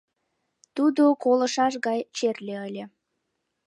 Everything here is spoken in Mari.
Тудо колышаш гай черле ыле.